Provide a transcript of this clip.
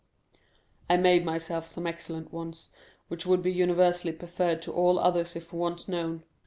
"I made myself some excellent ones, which would be universally preferred to all others if once known.